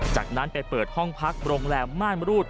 จากนั้นไปเปิดห้องพักโรงแรมม่านมรูด